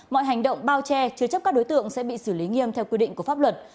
mọi hành động bao che chứa chấp các đối tượng sẽ bị xử lý nghiêm theo quy định của pháp luật